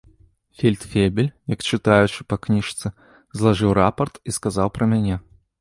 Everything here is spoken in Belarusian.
Фельдфебель, як чытаючы па кніжцы, злажыў рапарт і сказаў пра мяне.